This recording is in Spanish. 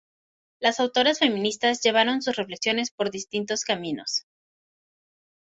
Las autoras feministas llevaron sus reflexiones por distintos caminos.